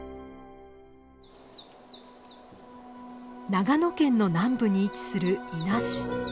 長野県の南部に位置する伊那市。